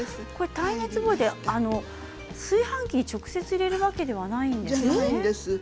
耐熱容器で炊飯器に直接入れるわけじゃないんですね。